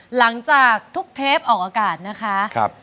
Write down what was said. หลังจากทุกเทปออกอากาศนะคะ